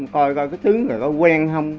coi coi cái thứ này có quen không